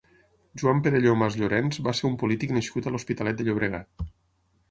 Joan Perelló Masllorens va ser un polític nascut a l'Hospitalet de Llobregat.